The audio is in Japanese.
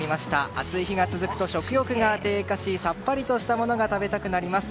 暑い日が続くと食欲が低下しさっぱりとしたものが食べたくなります。